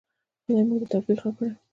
خدای دې موږ ته توفیق راکړي؟